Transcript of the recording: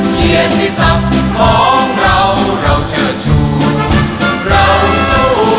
เยี่ยมที่สักของเราเราเฉินชูเราสู้ไว้ถอยจนกล่าวเดียว